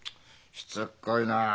しつっこいなあ。